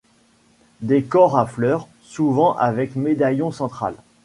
Décor à fleurs, souvent avec médaillon central.